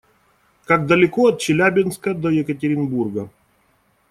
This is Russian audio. Как далеко от Челябинска до Екатеринбурга?